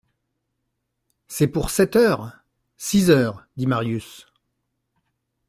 C'est pour sept heures ? Six heures, dit Marius.